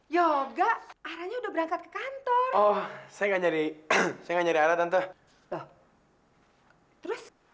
yoga aranya udah berangkat ke kantor oh saya nyari nyari tante